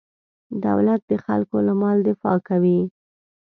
دولت د خلکو له مال دفاع کوي.